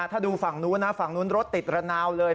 ถ้าดูฝั่งนู้นนะฝั่งนู้นรถติดระนาวเลย